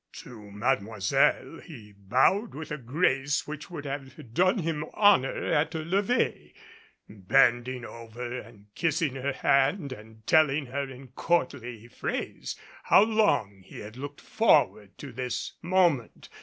To Mademoiselle he bowed with a grace which would have done him honor at a levee, bending over and kissing her hand and telling her in courtly phrase how long he had looked forward to this moment.